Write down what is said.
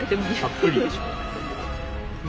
たっぷりでしょ。